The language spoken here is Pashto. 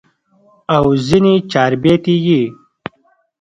او ځني چاربيتې ئې